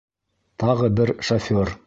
Тағы бер шофер.